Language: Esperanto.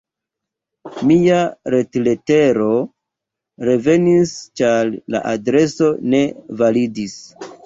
Mia retletero revenis, ĉar la adreso ne validis.